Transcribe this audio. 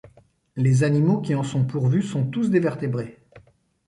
Les animaux qui en sont pourvus sont tous des vertébrés.